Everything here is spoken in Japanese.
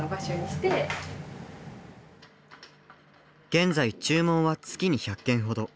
現在注文は月に１００件ほど。